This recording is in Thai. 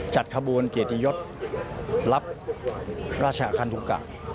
จัดขบวนเกตยศรับราชคันทุกข์